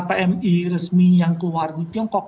pmi resmi yang keluar di tiongkok